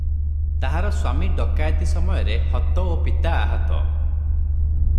ତାହାର ସ୍ୱାମୀ ଡକାଏତି ସମୟରେ ହତ ଓ ପିତା ଆହତ ।